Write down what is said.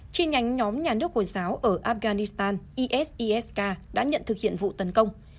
trên nhánh nhóm nhà nước hồi giáo ở afghanistan isisk đã nhận thực hiện vụ tấn công